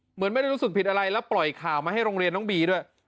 เหมือนไม่ได้รู้สึกผิดอะไรแล้วปล่อยข่าวมาให้โรงเรียนน้องบีด้วย